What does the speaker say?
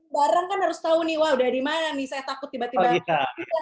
bareng kan harus tahu nih wah udah dimana nih saya takut tiba tiba